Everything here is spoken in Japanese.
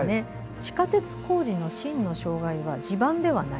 「地下鉄工事の真の障害は地盤ではない。